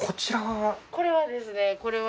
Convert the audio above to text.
これはですねこれは。